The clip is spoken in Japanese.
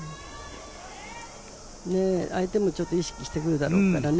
相手もちょっと意識してくるだろうからね。